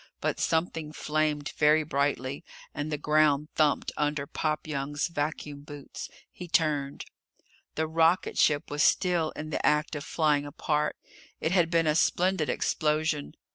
But something flamed very brightly, and the ground thumped under Pop Young's vacuum boots. He turned. The rocketship was still in the act of flying apart. It had been a splendid explosion.